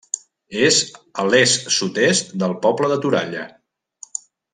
És a l'est-sud-est del poble de Toralla.